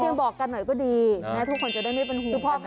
ยังบอกกันหน่อยก็ดีนะทุกคนจะได้ไม่เป็นห่วง